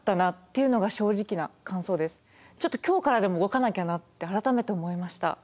ちょっと今日からでも動かなきゃなって改めて思いました。